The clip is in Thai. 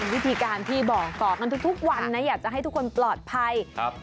วิธีการที่บอกต่อกันทุกวันนะอยากจะให้ทุกคนปลอดภัยครับ